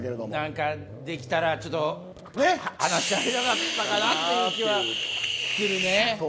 できたらね離してあげたかったなという気はするね。